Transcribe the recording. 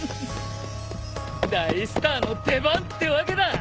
大スターの出番ってわけだ！